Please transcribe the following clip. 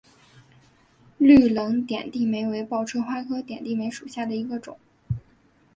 绿棱点地梅为报春花科点地梅属下的一个种。